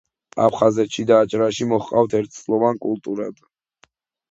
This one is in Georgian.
აფხაზეთში და აჭარაში მოჰყავთ ერთწლოვან კულტურად.